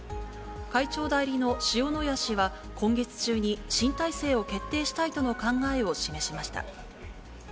会長代理の塩谷氏は、今月中に新体制を決定したいとの考えを示しました。